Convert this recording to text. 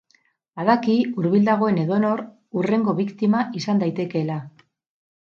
Badaki hurbil dagoen edonor hurrengo biktima izan daitekeela.